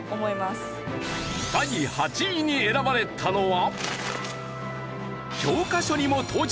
第８位に選ばれたのは。